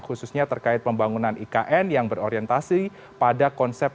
khususnya terkait pembangunan ikn yang berorientasi pada konsep